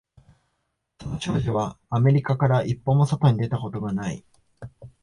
その少女はアメリカから一歩も外に出たことがない